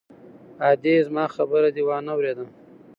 _ادې! زما خبره دې وانه ورېده!